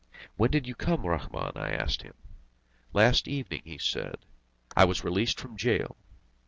"When did you come, Rahmun?" I asked him. "Last evening," he said, "I was released from jail."